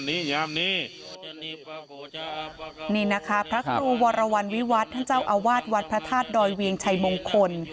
นี่นี่นะคะพระครูวรวรรณวิวัฒน์ท่านเจ้าอาวาสวัดพระธาตุดอยเวียงชัยมงคล